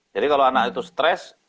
jadi kalau anak itu stress